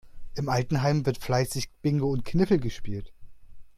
Im Altenheim wird fleißig Bingo und Kniffel gespielt.